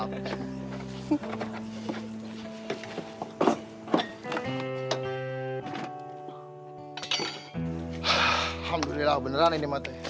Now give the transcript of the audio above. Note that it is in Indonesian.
alhamdulillah beneran ini mah teh